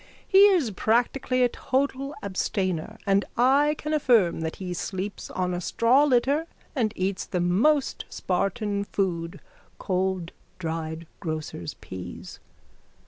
He is practically a total abstainer and I can affirm that he sleeps on a straw litter and eats the most Spartan food, cold dried grocer's peas.